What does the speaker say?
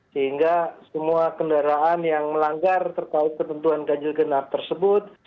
sehingga semua kendaraan yang melanggar terkait ketentuan ganjil genap tersebut